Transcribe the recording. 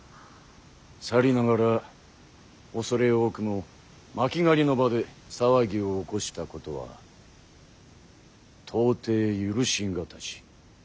さりながら恐れ多くも巻狩りの場で騒ぎを起こしたことは到底許し難し。